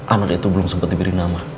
amat itu belum sempet diberi nama